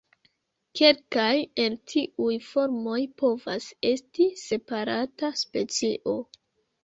Kelkaj el tiuj formoj povas esti separata specio.